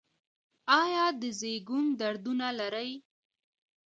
ایا د زیږون دردونه لرئ؟